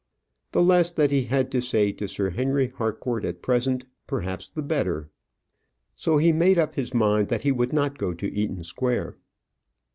The less that he had to say to Sir Henry Harcourt at present, perhaps, the better. So he made up his mind that he would not go to Eaton Square.